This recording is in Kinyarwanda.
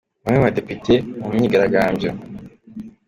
Bamwe mu badepite mu myigaragambyo